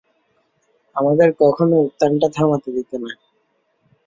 আমাদের কখনোই উত্থানটা থামাতে দিতে না।